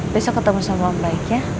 besok ketemu sama mbak ya